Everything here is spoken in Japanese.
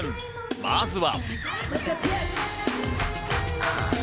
まずは。